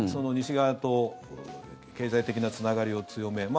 西側と経済的なつながりを強め。